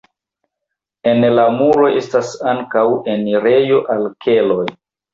En la muro estas ankaŭ enirejo al keloj.